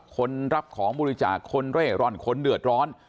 คนรับของบริจาคคนเร่ร่อนคนเดือดร้อน